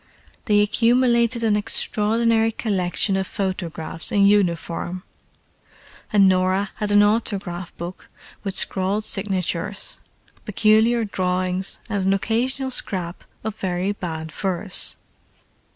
They accumulated an extraordinary collection of photographs in uniform; and Norah had an autograph book with scrawled signatures, peculiar drawings and an occasional scrap of very bad verse.